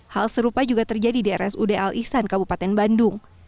hal serupa juga terjadi di rsud al ihsan kabupaten bandung